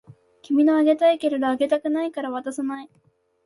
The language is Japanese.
君のあげたいけれどあげたくないから渡さない